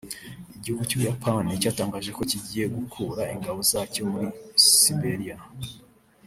Igihugu cy’u Buyapani cyatangaje ko kigiye gukura ingabo zacyo muri Siberia